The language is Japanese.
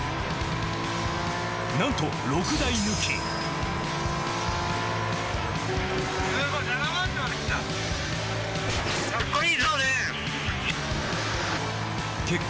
なんと６台抜き結果